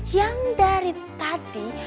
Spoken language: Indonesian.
yang dari tadi